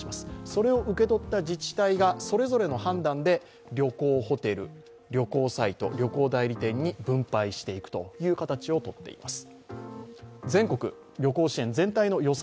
それを受け取った自治体がそれぞれの判断で、旅館、ホテル旅行代理店に分配していくという形をとっています。